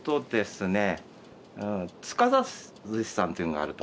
ツカサズシさんっていうのがあると。